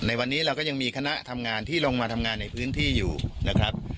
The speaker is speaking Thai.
ในวันนี้เราก็ยังมีคณะทำงานที่ลงมาทำงานในพื้นที่อยู่นะครับ